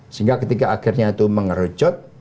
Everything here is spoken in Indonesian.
sehingga ketika akhirnya itu mengerucut